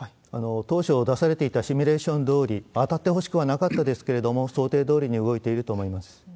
当初出されていたシミュレーションどおり、当たってほしくはなかったですけれども、想定どおりに動いていると思います。